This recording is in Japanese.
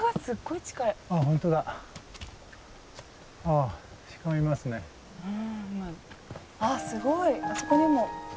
あっすごいあそこにも。